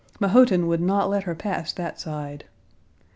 Mahotin would not let her pass that side.